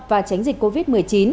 và tránh dịch covid một mươi chín